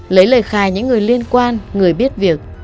lấy lời khai những người liên quan người biết việc